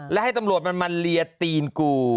และให้ตำรวจมันมาเลียตีนกู